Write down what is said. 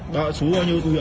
dạ số bao nhiêu tu hiệu